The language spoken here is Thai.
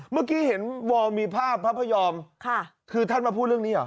เมื่อกี้เห็นวอร์มีภาพพระพยอมคือท่านมาพูดเรื่องนี้เหรอ